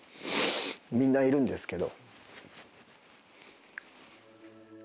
みんないるんですけど。